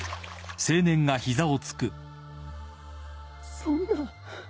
そんな。